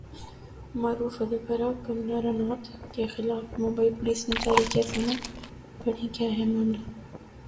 معروف اداکارہ کنگنا رناوت کے خلاف ممبئی پولیس نے جاری کیا سمن ، پڑھیں کیا ہے معاملہ